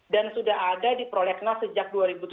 dan sudah ada di prolegnas sejak dua ribu tujuh belas